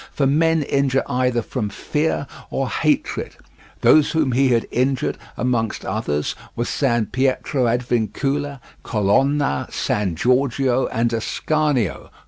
For men injure either from fear or hatred. Those whom he had injured, amongst others, were San Pietro ad Vincula, Colonna, San Giorgio, and Ascanio.